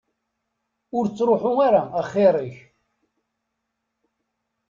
Ur ttruḥ ara axir-ik.